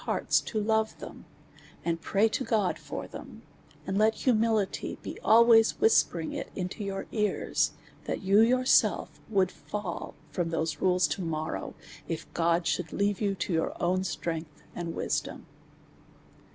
265 hearts to love them, and pray to God for them ; and let humility be ahvays whispering it into your ears, that you yourselves will fall from those rules to mor row, if God should leave you to your own strength and wisdom.